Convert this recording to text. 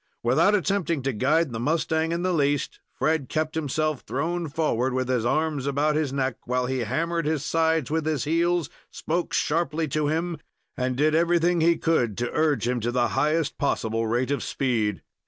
Without attempting to guide the mustang in the least, Fred kept himself thrown forward, with his arms about his neck, while he hammered his sides with his heels, spoke sharply to him, and did everything he could to urge him to the highest possible rate of speed.